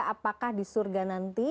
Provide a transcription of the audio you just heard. apakah di surga nanti